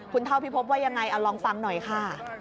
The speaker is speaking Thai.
คุณเท่าพิพบว่ายังไงเอาลองฟังหน่อยค่ะ